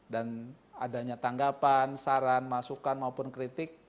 dan adanya tanggapan saran masukan maupun kritik